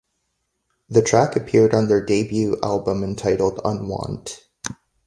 The track appeared on their debut album entitled "Unwant".